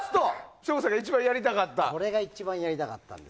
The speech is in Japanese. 省吾さんが一番やりたかった！